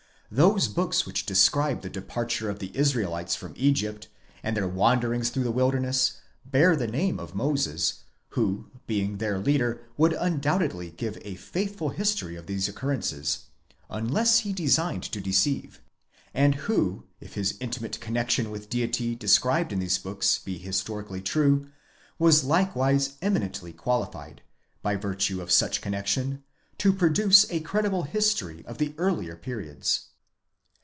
Those books which describe the departure of the Israelites from Egypt, and their wanderings through the wilderness, bear the name of Moses, who being their leader would undoubtedly give a faithful history of these occurrences, unless. he designed to deceive; and who, if his intimate connexion with Deity described in these books be historically true, was likewise eminently qualified, by virtue of such connexion, to produce a credible history of the earlier periods.